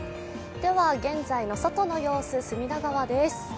では、現在の外の様子、隅田川です。